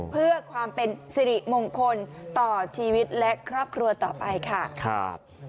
เพื่อความเป็นสิริมงคลต่อชีวิตและครอบครัวต่อไปค่ะ